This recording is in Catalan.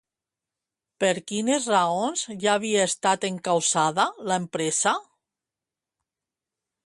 Per quines raons ja havia estat encausada, l'empresa?